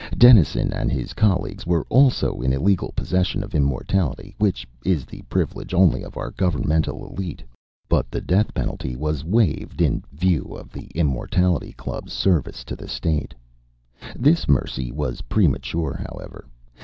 Dennison and his colleagues were also in illegal possession of immortality, which is the privilege only of our governmental elite. But the death penalty was waived in view of the Immortality Club's service to the State. This mercy was premature, however.